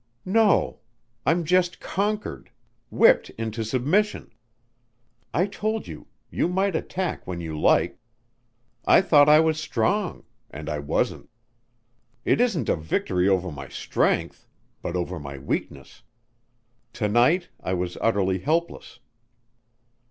"No. I'm just conquered whipped into submission. I told you you might attack when you liked.... I thought I was strong ... and I wasn't. It isn't a victory over my strength but over my weakness. To night I was utterly helpless."